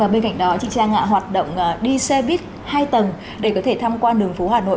và bên cạnh đó chị trang hoạt động đi xe bus hai tầng để có thể tham quan đường phố hà nội